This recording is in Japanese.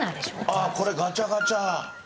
あっこれガチャガチャ。